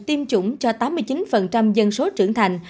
tiêm chủng cho tám mươi chín dân số trưởng thành